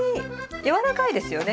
軟らかいですよね。